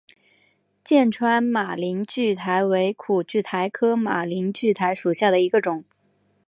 剑川马铃苣苔为苦苣苔科马铃苣苔属下的一个种。